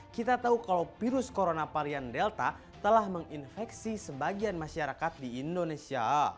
kita tahu kalau virus corona varian delta telah menginfeksi sebagian masyarakat di indonesia